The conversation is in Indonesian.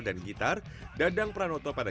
dan gitar dadang pranoto pada